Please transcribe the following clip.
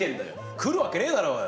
くるわけねえだろうよ。